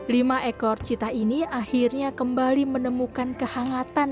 lima ekor cita ini akhirnya kembali menemukan kehangatan